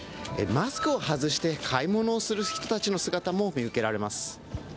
マスクを外して買い物をする人たちの姿も見受けられます。